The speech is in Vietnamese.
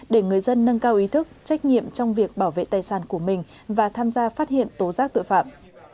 để người dân nâng cao ý thức trách nhiệm trong việc bảo vệ tài sản của mình và tham gia phát hiện tố giác tội phạm